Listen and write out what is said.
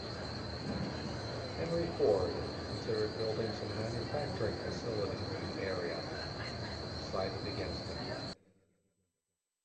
Henry Ford considered building some manufacturing facilities in the area but decided against it.